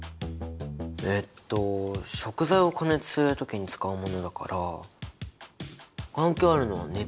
えっと食材を加熱する時に使うものだから関係あるのは熱？